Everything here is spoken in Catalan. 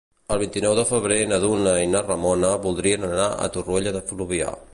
El vint-i-nou de febrer na Duna i na Ramona voldrien anar a Torroella de Fluvià.